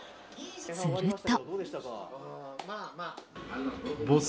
すると。